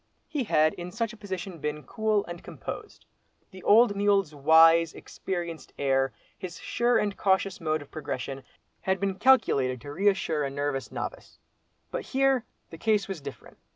He had in such a position been cool and composed. The old mule's wise, experienced air, his sure and cautious mode of progression, had been calculated to reassure a nervous novice. But here, the case was different.